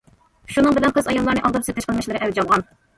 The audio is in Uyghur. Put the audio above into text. شۇنىڭ بىلەن قىز- ئاياللارنى ئالداپ سېتىش قىلمىشلىرى ئەۋج ئالغان.